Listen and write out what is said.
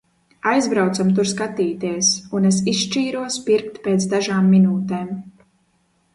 Aizbraucam tur skatīties un es izšķīros pirkt pēc dažām minūtēm.